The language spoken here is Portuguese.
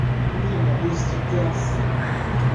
Ruína dos titãs